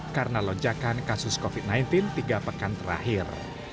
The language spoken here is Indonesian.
karena lonjakan kasus covid sembilan belas tiga pekan terakhir